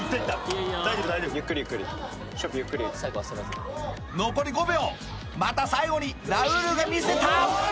大丈夫大丈夫ゆっくりゆっくりしょっぴー残り５秒また最後にラウールが見せた！